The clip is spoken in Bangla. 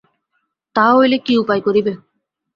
তাহা হইলে কী উপায় করিবে?